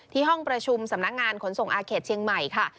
ห้องประชุมสำนักงานขนส่งอาเขตเชียงใหม่ค่ะ